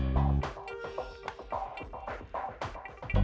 nanti kita jalan jalan dulu